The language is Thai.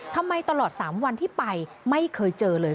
ตลอด๓วันที่ไปไม่เคยเจอเลย